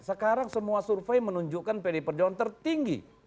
sekarang semua survei menunjukkan pd perjuangan tertinggi